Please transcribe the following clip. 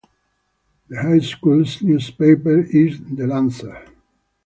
The high school's newspaper is "The Lancer".